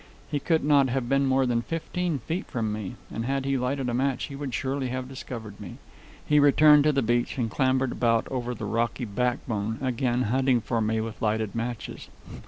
He could not have been more than fifteen feet from me, and had he lighted a match he would surely have discovered me. He returned to the beach and clambered about over the rocky backbone, again hunting for me with lighted matches.